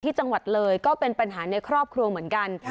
ที่จังหวัดเลยก็เป็นปัญหาในครอบครัวเหมือนกัน